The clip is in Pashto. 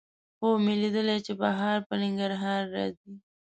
خوب مې لیدلی چې بهار په ننګرهار راځي